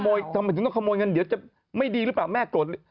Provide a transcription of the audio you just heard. ทำไมถึงต้องขโมยเงินเดี๋ยวจะไม่ดีหรือเปล่าแม่โกรธ